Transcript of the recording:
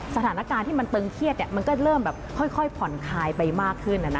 สถานการณ์ที่มันตึงเครียดมันก็เริ่มแบบค่อยผ่อนคลายไปมากขึ้น